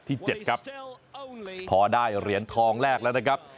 ที่๗ครับพอได้เหรียญทองแรกแล้วนะครับ